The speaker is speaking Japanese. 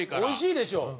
おいしいでしょ！